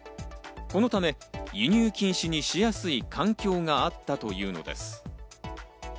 このため輸入禁止にしやすい環境があったというのです。